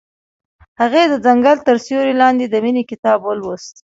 هغې د ځنګل تر سیوري لاندې د مینې کتاب ولوست.